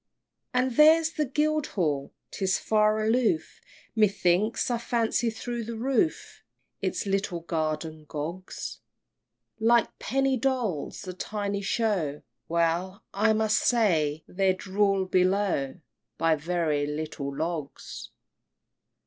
IX. And there's Guildhall! 'tis far aloof Methinks, I fancy through the roof Its little guardian Gogs, Like penny dolls a tiny show! Well, I must say they're rul'd below By very little logs!